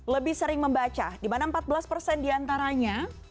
lebih sering membaca di mana empat belas persen diantaranya